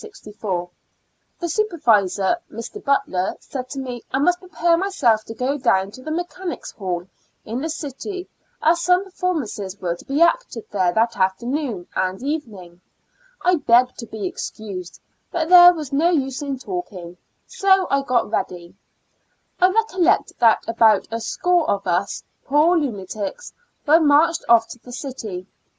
The supervisor, Mr. Butler, said to me I must prepare myself to go down to Mechanics' Hall, in the city, as some performances were to be acted there that afternoon and evenino'. I beofSfed to be excused, but O CO ' there was no use in talking; so I got ready. I recollect that about a score of us poor IX A L UXA TIC A SYL U3I. \{)\ lunatics, were marched off to the city.